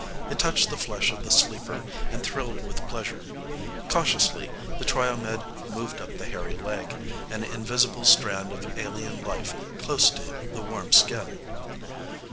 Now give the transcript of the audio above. It touched the flesh of the sleeper and thrilled with pleasure. Cautiously, the Triomed moved up the hairy leg, an invisible strand of alien life close to the warm skin.